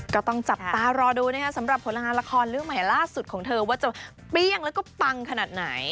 ก็ต้องจับตารอดูนะครับสำหรับผลงานละครเรื่องใหม่ล่าสุดของเธอว่าจะเปรี้ยงแล้วก็ปังขนาดไหน